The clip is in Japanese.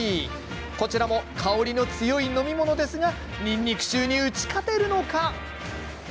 こちらも香りの強い飲み物ですがにんにく臭に打ち勝てるのか。